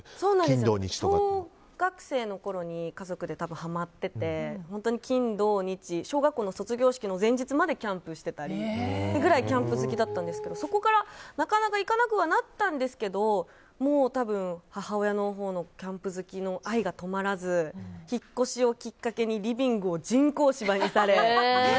小学生のころに家族でハマってて本当に金土日小学校の卒業式の前日までキャンプしてたりっていうくらいキャンプ好きだったんですけどそこからなかなか行かなくはなったんですけど多分、母親のほうのキャンプ好きの愛が止まらず引っ越しをきっかけにリビングを人工芝にされ。